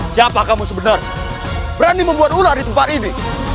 siapa kamu sebenarnya berani membuat ular di tempat ini